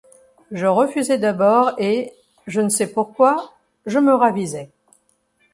Je refusai d’abord et, je ne sais pourquoi, je me ravisai.